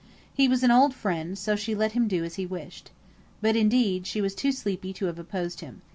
He was an old friend, so she let him do as he wished. But, indeed, she was too sleepy to have opposed him.